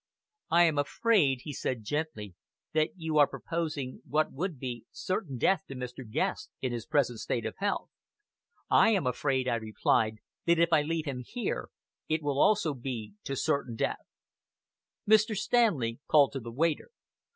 "I am afraid," he said gently, "that you are proposing what would be certain death to Mr. Guest in his present state of health." "I am afraid," I replied, "that if I leave him here, it will also be to certain death!" Mr. Stanley called to the waiter.